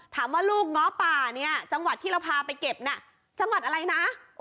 ถามว่าลูกง้อป่าเนี่ยจังหวัดที่เราพาไปเก็บน่ะจังหวัดอะไรนะ